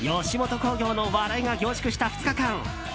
吉本興業の笑いが凝縮した２日間。